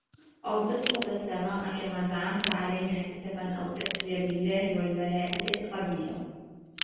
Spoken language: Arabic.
أو تسقط السماء كما زعمت علينا كسفا أو تأتي بالله والملائكة قبيلا